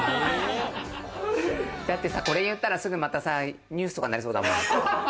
だってさ、これ言ったらまたさ、ニュースとかになりそうだもん。